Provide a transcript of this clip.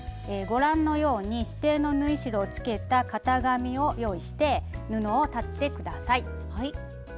ご覧のように指定の縫い代をつけた型紙を用意して布を裁って下さい。